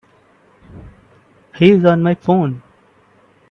He's on my phone.